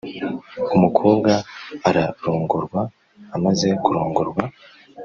umukobwa ararongorwa, amaze kurongorwa,